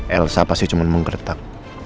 elsa pasti cuma mengkretak